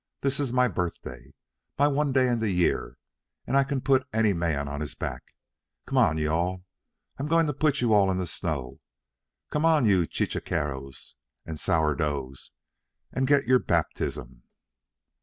This is my birthday, my one day in the year, and I can put any man on his back. Come on, you all! I'm going to put you all in the snow. Come on, you chechaquos and sourdoughs, and get your baptism!"